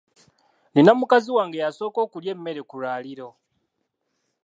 Nina mukazi wange ye asooka okulya emmere ku lwaliiro.